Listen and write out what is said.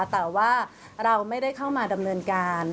แต่ว่าเราไม่ได้เข้ามาดำเนินการ